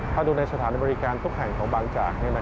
ถ้าดูในสถานบริการทุกแห่งของบางจาก